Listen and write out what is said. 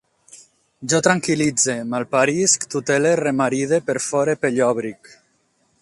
Jo tranquil·litze, malparisc, tutele, remaride, perfore, pellòbric